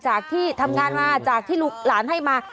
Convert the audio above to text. ที่ทำงานมาจากที่ลูกหลานให้มา